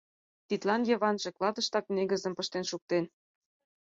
Тидлан Йыванже клатыштак негызым пыштен шуктен.